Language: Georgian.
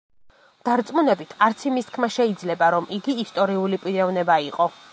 დარწმუნებით არც იმის თქმა შეიძლება, რომ იგი ისტორიული პიროვნება იყო.